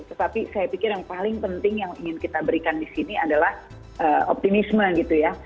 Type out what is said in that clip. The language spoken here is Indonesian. tetapi saya pikir yang paling penting yang ingin kita berikan di sini adalah optimisme gitu ya